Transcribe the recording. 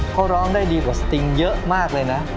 เขาร้องได้ดีกว่าสติงเยอะมากเลยนะ